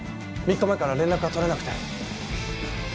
３日前から連絡が取れなくて。